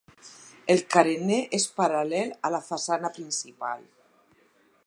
El carener és paral·lel a la façana principal.